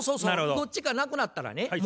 どっちか亡くなったらね